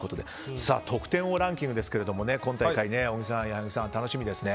得点王ランキングですが今大会は小木さん、矢作さん楽しみですね。